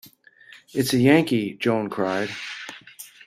It's a Yankee, Joan cried.